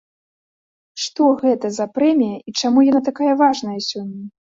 Што гэта за прэмія і чаму яна такая важная сёння?